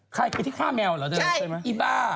ใครคือที่ฆ่าแมวเหรอเดินใช่ไหมอีบ้า